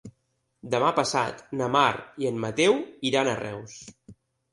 Demà passat na Mar i en Mateu iran a Reus.